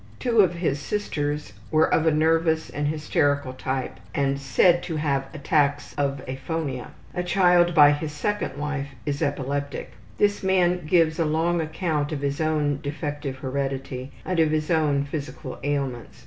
Two of his sisters were of a nervous and hysterical type and said to have attacks of aphonia. A child by his second wife is epileptic. This man gives us a long account of his own defective heredity and of his own physical ailments.